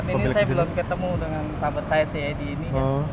untuk saat ini saya belum ketemu dengan sahabat saya cid ini